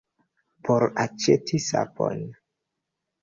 Por aĉeti sapon.